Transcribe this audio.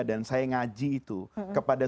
dan saya ngaji itu kepada